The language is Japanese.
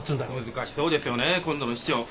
難しそうですよね今度の市長。